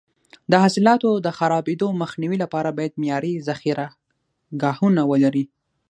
د حاصلاتو د خرابېدو مخنیوي لپاره باید معیاري ذخیره ګاهونه ولري.